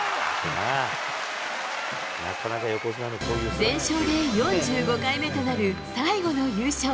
全勝で４５回目となる最後の優勝。